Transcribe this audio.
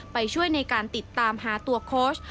ไปช่วยในการติดตามหาตัวโค้ช